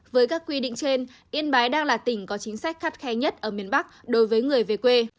với các quy định trên yên bái đang là tỉnh có chính sách khắt khe nhất ở miền bắc đối với người về quê